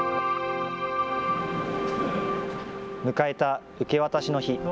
迎えた受け渡しの日。